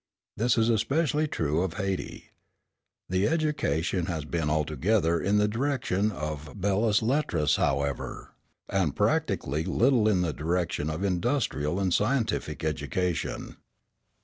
This is especially true of Hayti. The education has been altogether in the direction of belles lettres, however, and practically little in the direction of industrial and scientific education.